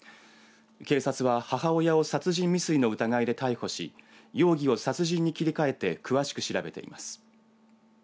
警察は母親を殺人未遂の疑いで逮捕し容疑を殺人に切り替えて詳しく調べています。